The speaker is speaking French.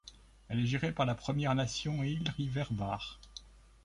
Elle est gérée par la Première nation Eel River Bar.